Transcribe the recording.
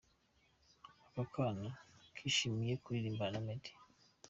Aka kana kishimiye kuririmbana na Meddy.